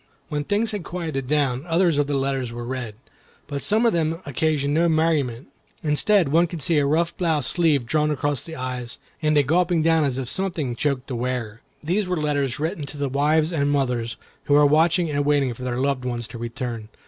When things had quieted down, others of the letters were read; but some of them occasioned no merriment. Instead, one could see a rough blouse sleeve drawn across the eyes, and a gulping down as if something choked the wearer. These were letters written to the wives and mothers who were watching and waiting for their loved ones to return.